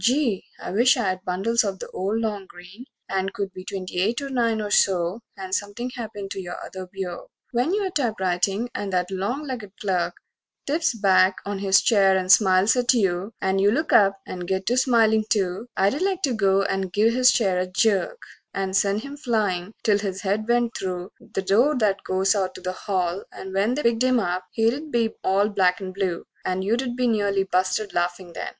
Gee, I wisht I'd bundles of the old long green And could be twenty eight or nine or so, And something happened to your other beau. VI When you're typewritin' and that long legged clerk Tips back there on his chair and smiles at you, And you look up and get to smilin', too, I'd like to go and give his chair a jerk And send him flyin' till his head went through The door that goes out to the hall, and when They picked him up he'd be all black and blue And you'd be nearly busted laughin' then.